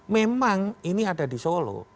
memang ini ada di solo